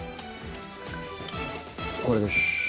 これです。